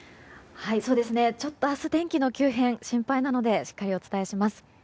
ちょっと明日天気の急変、心配なのでしっかりお伝えします。